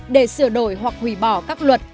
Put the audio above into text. để sửa đổi hoặc hủy bỏ các luật